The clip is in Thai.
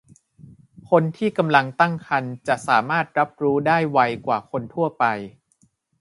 คนที่กำลังตั้งครรภ์จะสามารถรับรู้ได้ไวกว่าคนทั่วไป